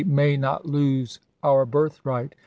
may not lose our birthright.